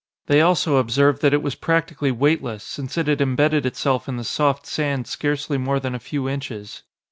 They also observed that it was practically weightless, since it had embedded itself in the soft sand scarcely more than a few inches.